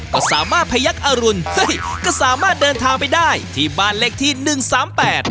ก็สามารถพยักอรุณเฮ้ยก็สามารถเดินทางไปได้ที่บ้านเลขที่หนึ่งสามแปด